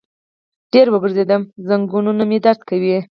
ډېر وګرځیدم، زنګنونه مې درد کوي